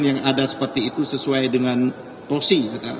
yang ada seperti itu sesuai dengan porsi